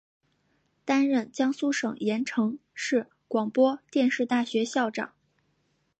担任江苏省盐城市广播电视大学校长。